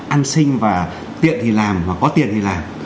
ăn sinh và tiện thì làm có tiện thì làm